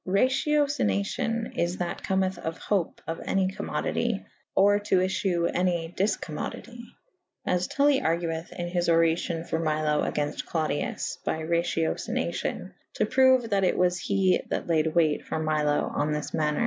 Raciocinacion is that cometh of hope of any commodity / or to efchewe any difcommodity. As Tully argueth in his oracion for Milo agaynft Clodius by raciocinacion to proue that it was he that laide wayt for Milo on this maner.